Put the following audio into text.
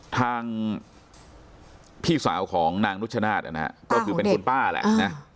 ทางพี่สาวของนางนุชนาธิ์ก็คือเป็นคุณป้าแหละนะ